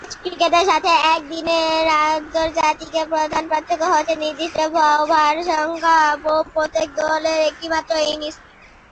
Test ক্রিকেটের সাথে একদিনের আন্তর্জাতিকের প্রধান পার্থক্য হচ্ছে নির্দিষ্ট ওভার সংখ্যা ও প্রত্যেক দলের একটি মাত্র ইনিংস।